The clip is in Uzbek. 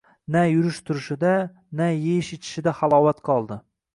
Na yurish-turishida, na eyish-ichishida halovat qoldi